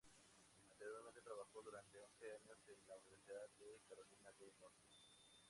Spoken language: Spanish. Anteriormente, trabajó durante once años en la Universidad de Carolina del Norte.